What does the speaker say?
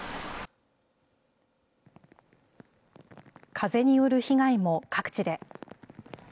風による被害も各地で。